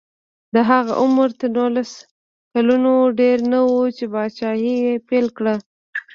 د هغه عمر تر نولس کلونو ډېر نه و چې پاچاهي یې پیل کړه.